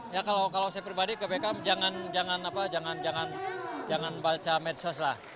ya kalau saya pribadi ke etam jangan jangan apa jangan jangan jangan baca medsos lah